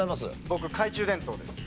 僕懐中電灯です。